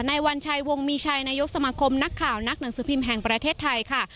วัญชัยวงมีชัยนายกสมาคมนักข่าวนักหนังสือพิมพ์แห่งประเทศไทยค่ะ